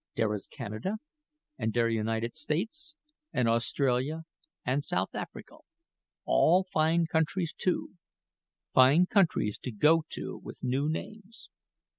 Dere is Canada, and der United States, and Australia, and South Africa all fine countries, too fine countries to go to with new names.